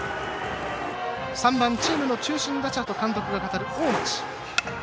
３番、チームの中心打者と監督が語る大町。